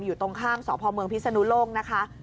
อยู่ตรงข้ามสพเมืองพิศนุโลกนะคะ